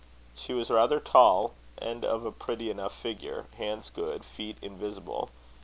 She was rather tall, and of a pretty enough figure; hands good; feet invisible.